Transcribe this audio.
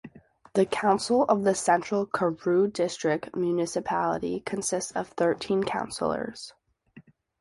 The council of the Central Karoo District Municipality consists of thirteen councillors.